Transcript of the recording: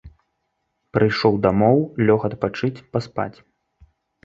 Прыйшоў дамоў, лёг адпачыць, паспаць.